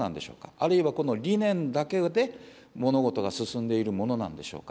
あるいは、この理念だけで物事が進んでいるものなんでしょうか。